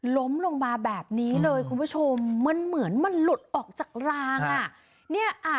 ล้มลงมาแบบนี้เลยคุณผู้ชมมันเหมือนมันหลุดออกจากรางอ่ะเนี่ย